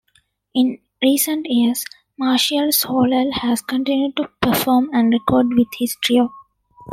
In recent years, Martial Solal has continued to perform and record with his trio.